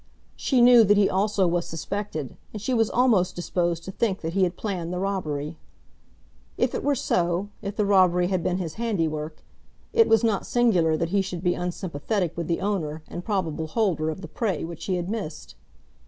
She knew that he also was suspected, and she was almost disposed to think that he had planned the robbery. If it were so, if the robbery had been his handiwork, it was not singular that he should be unsympathetic with the owner and probable holder of the prey which he had missed.